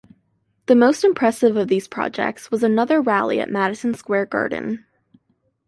The most impressive of these projects was another rally at Madison Square Garden.